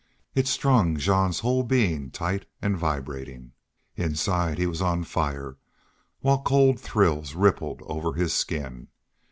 It strung Jean's whole being tight and vibrating. Inside he was on fire while cold thrills rippled over his skin.